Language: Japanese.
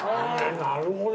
なるほど！